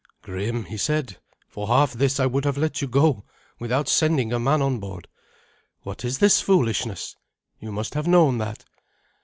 "Grim," he said, "for half this I would have let you go without sending a man on board. What is this foolishness? You must have known that."